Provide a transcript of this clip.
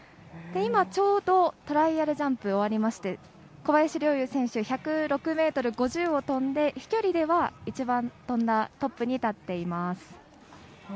今、ちょうどトライアルジャンプ終わりまして小林陵侑選手１０６ｍ５０を飛んで飛距離ではトップに立っています。